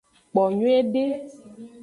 Kpo nyuiede.